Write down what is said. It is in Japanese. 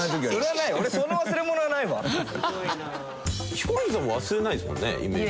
ヒコロヒーさんも忘れないですもんねイメージ。